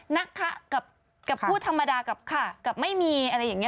นะคะกับพูดธรรมดากับค่ะกับไม่มีอะไรอย่างนี้